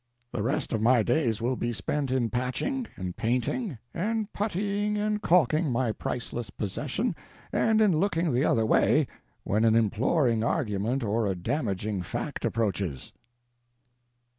The rest of my days will be spent in patching and painting and puttying and caulking my priceless possession and in looking the other way when an imploring argument or a damaging fact approaches.